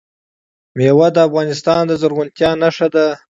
مېوې د افغانستان د زرغونتیا نښه ده.